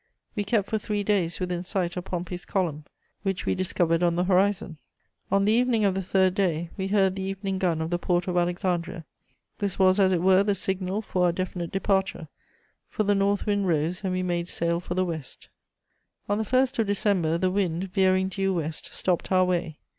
We kept for three days within sight of Pompey's Column, which we discovered on the horizon. On the evening of the third day we heard the evening gun of the port of Alexandria. This was as it were the signal for our definite departure, for the north wind rose and we made sail for the west. "On the 1st of December, the wind, veering due west, stopped our way.